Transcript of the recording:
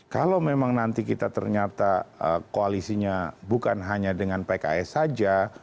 kalau memang nanti kita ternyata koalisinya bukan hanya dengan pks saja